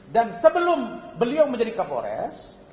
dan sebelum beliau menjadi kapolres